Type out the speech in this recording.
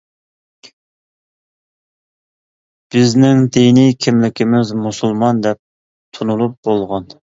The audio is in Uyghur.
بىزنىڭ دىنىي كىملىكىمىز «مۇسۇلمان» دەپ تونۇلۇپ بولغان.